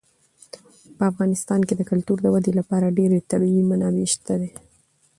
په افغانستان کې د کلتور د ودې لپاره ډېرې طبیعي منابع شته دي.